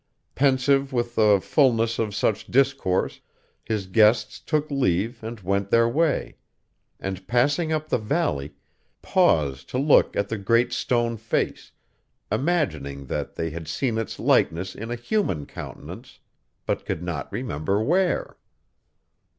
Pensive with the fulness of such discourse, his guests took leave and went their way; and passing up the valley, paused to look at the Great Stone Face, imagining that they had seen its likeness in a human countenance, but could not remember where.